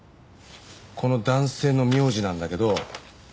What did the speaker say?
この男性の名字なんだけど。